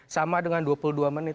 sama dengan dua puluh dua menit